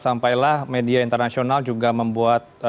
sampailah media internasional juga membuat